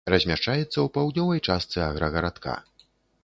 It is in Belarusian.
Размяшчаецца ў паўднёвай частцы аграгарадка.